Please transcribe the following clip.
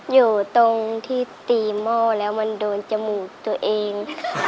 อยู่ตรงที่ตีหม้อแล้วมันโดนจมูกตัวเอง